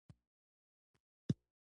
روښانفکري د روښانیانو په افکارو کې وینو.